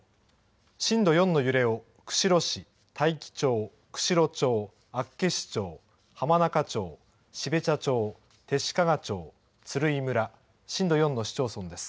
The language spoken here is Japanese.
震度４の揺れを釧路市大樹町、釧路町、厚岸町、浜中町、標茶町、弟子屈町、鶴居村、震度４の市町村です。